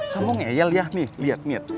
kamu ngeyel ya nih lihat lihat